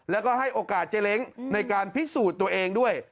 แล้วก็ให้โอกาสเจ๊เล้งในการพิสูจน์ตัวเองด้วย